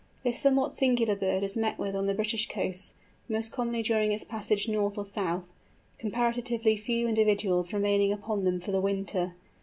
This somewhat singular bird is met with on the British coasts, most commonly during its passage north or south, comparatively few individuals remaining upon them for the winter.